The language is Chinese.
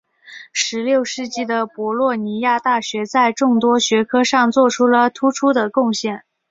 十六世纪的博洛尼亚大学在众多学科上做出了突出的贡献。